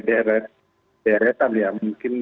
deretan ya mungkin